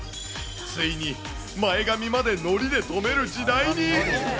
ついに前髪までのりで留める時代に。